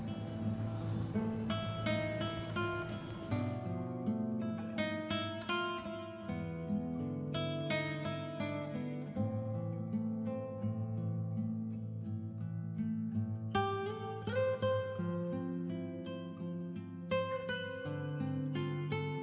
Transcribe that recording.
untuk mengembangkan perusahaan perusahaan